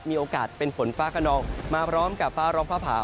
มีโอกาสเป็นฝนฟ้าขนองมาพร้อมกับฟ้าร้องฟ้าผ่า